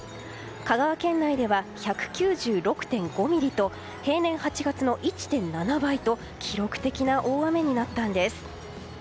香川県内では１９６．５ミリと平年８月の１．７倍と記録的な大雨になったんです。